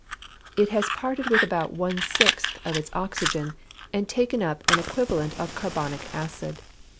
_ It has parted with about one sixth of its oxygen, and taken up an equivalent of carbonic acid.